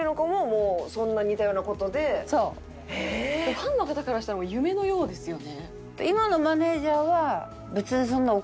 ファンの方からしたら夢のようですよね。